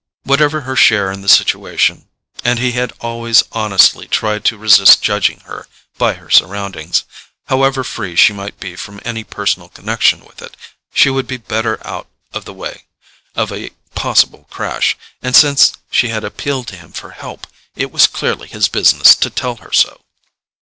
Whatever her share in the situation—and he had always honestly tried to resist judging her by her surroundings—however free she might be from any personal connection with it, she would be better out of the way of a possible crash; and since she had appealed to him for help, it was clearly his business to tell her so.